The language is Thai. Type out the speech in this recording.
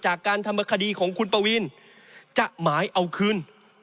จากการทำคดีของคุณปวีนจะหมายเอาคืน